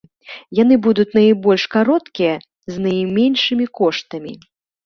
Яны будуць найбольш кароткія з найменшымі коштамі.